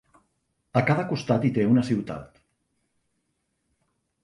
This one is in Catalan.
A cada costat hi té una ciutat.